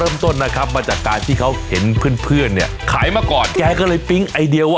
มาจากการที่เขาเห็นเพื่อนเพื่อนเนี้ยขายมาก่อนแกก็เลยปิ๊งไอเดียวว่ะ